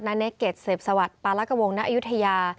เนเกตเสพสวัสดิ์ปาลักวงณอายุทยา